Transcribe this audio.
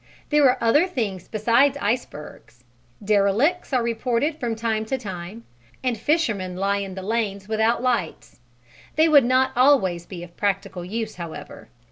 There are other things besides icebergs: derelicts are reported from time to time, and fishermen lie in the lanes without lights. They would not always be of practical use, however.